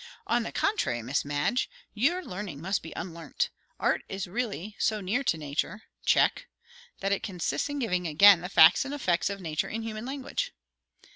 "On the contrary, Miss Madge. Your learning must be unlearnt. Art is really so near to nature Check! that it consists in giving again the facts and effects of nature in human language."